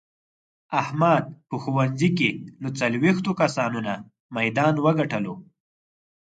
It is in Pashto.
احمد په ښوونځې کې له څلوېښتو کسانو نه میدان و ګټلو.